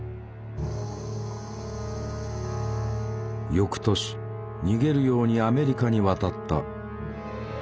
翌年逃げるようにアメリカに渡った。